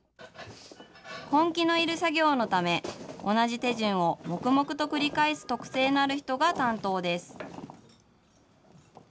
根気のいる作業のため、同じ手順を黙々と繰り返す特性のある人が担当です。